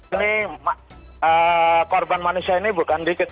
ini korban manusia ini bukan dikit